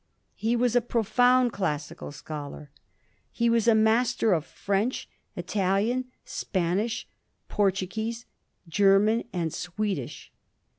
He was a pro found classical scholar ; he was a master of French, Italian, Spanish, Portuguese, German, and Swedish.